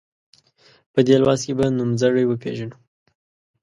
په دې لوست کې به نومځري وپيژنو.